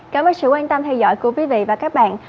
cảm ơn sự quan tâm theo dõi của quý vị và các bạn